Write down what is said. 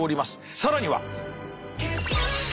更には。